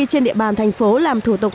trên địa bàn thành phố làm thủ tục